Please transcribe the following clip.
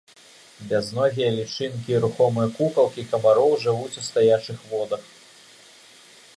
Бязногія лічынкі і рухомыя кукалкі камароў жывуць у стаячых водах.